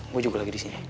gue juga lagi disini